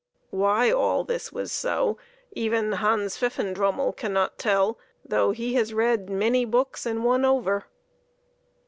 Why all this was so, even Hans Pfifendrummel cannot tell, though he has read many books and one over.